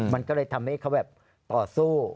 มันก็เลยทำให้เขาแบบต่อสู้